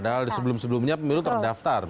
padahal di sebelum sebelumnya pemilu terdaftar